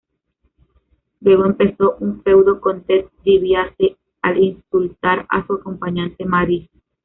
Luego, empezó un feudo con Ted DiBiase al insultar a su acompañante, Maryse.